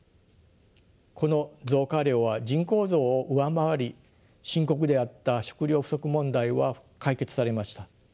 この増加量は人口増を上回り深刻であった食糧不足問題は解決されました。